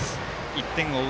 １点を追う